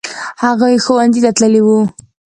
هغوی ښوونځي ته تللي وو.